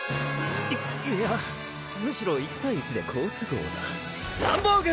いいやむしろ１対１で好都合だランボーグ！